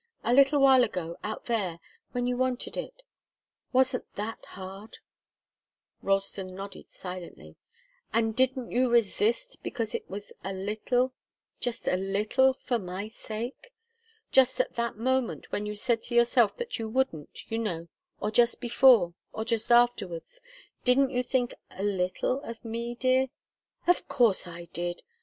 A little while ago out there when you wanted it wasn't that hard?" Ralston nodded silently. "And didn't you resist because it was a little just a little for my sake? Just at that moment when you said to yourself that you wouldn't, you know, or just before, or just afterwards didn't you think a little of me, dear?" "Of course I did.